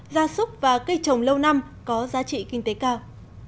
gia súc và cây trồng lâu năm có giá trị kinh tế cao